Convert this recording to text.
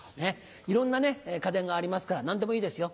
いろんな家電がありますから何でもいいですよ。